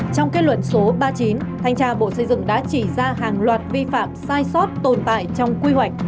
trong kết luận số ba mươi chín thanh tra bộ xây dựng đã chỉ ra hàng loạt vi phạm sai sót tồn tại trong quy hoạch